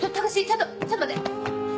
ちょっとちょっと待って。